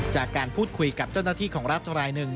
จากการพูดคุยกับเจ้าหน้าที่ของรัฐรายหนึ่ง